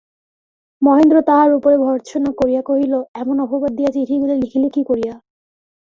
মহেন্দ্র তাহার উপরে ভর্ৎসনা করিয়া কহিল, এমন অপবাদ দিয়া চিঠিগুলা লিখিলে কী করিয়া।